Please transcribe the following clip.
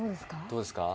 「どうですか？」